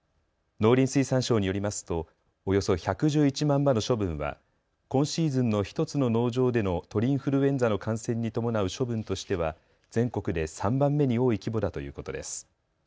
農林水産省によりますとおよそ１１１万羽の処分は今シーズンの１つの農場での鳥インフルエンザの感染に伴う処分としては全国で３番目に多い規模だということです。